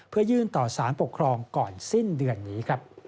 เพื่อยื่นต่อสารปกครองก่อนสิ้นเดือนนี้